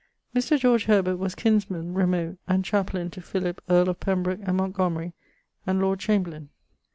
Mr. George Herbert was kinsman (remote) and chapelaine to Philip, earl of Pembroke and Montgomery, and Lord Chamberlayn.